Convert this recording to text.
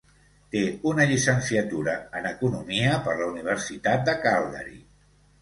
Té una llicenciatura en Economia per la Universitat de Calgary.